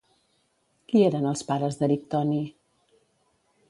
Qui eren els pares d'Erictoni?